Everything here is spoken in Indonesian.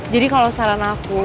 jadi kalau saran aku